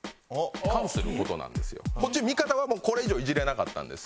こっち味方はもうこれ以上いじれなかったんです。